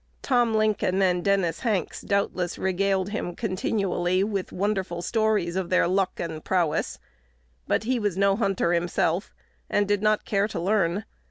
2 Tom Lincoln and Dennis Hanks doubtless regaled him continually with wonderful stories of their luck and prowess; but he was no hunter himself, and did not care to learn.